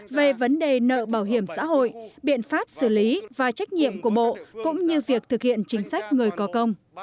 về vấn đề nợ bảo hiểm xã hội biện pháp xử lý và trách nhiệm của bộ cũng như việc thực hiện chính sách người có công